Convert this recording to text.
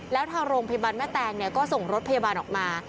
แล้วทางโรงพยาบาลแม่แตงก็ส่งรถพยาบาลออกมา